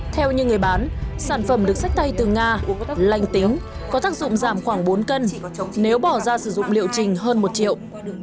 theo như người bán sản phẩm được sách tay từ nga lành tiếng có tác dụng giảm khoảng bốn cân nếu bỏ ra sử dụng liệu trình hơn một triệu